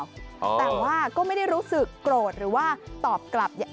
แต่ว่าก็ไม่ได้รู้สึกโกรธหรือว่าตอบกลับเนี่ย